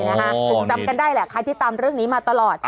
คงจำกันได้แหละใครที่ตามเรื่องนี้มาตลอด